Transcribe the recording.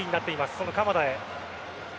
その鎌田へ。